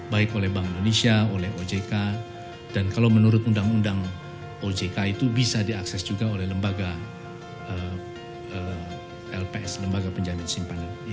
baik oleh bank indonesia oleh ojk dan kalau menurut undang undang ojk itu bisa diakses juga oleh lembaga lps lembaga penjamin simpanan